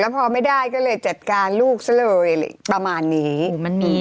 ประมาณนี้